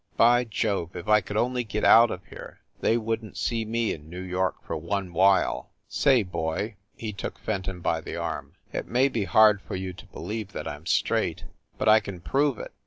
By Jove, if I could only get out of here they wouldn t see me in New York for one while ! Say, boy," he took Fenton by the arm, "it may be hard for you to believe that I m straight, but I can prove it.